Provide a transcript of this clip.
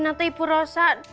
nanti ibu rosa